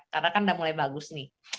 karena kan udah mulai bagus nih